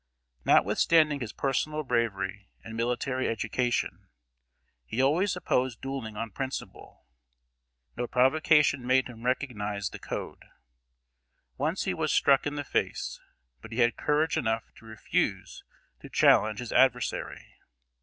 Notwithstanding his personal bravery and military education, he always opposed dueling on principle. No provocation made him recognize the "code." Once he was struck in the face, but he had courage enough to refuse to challenge his adversary.